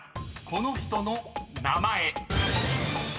この人の名前］